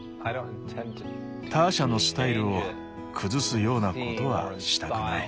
ターシャのスタイルを崩すようなことはしたくない。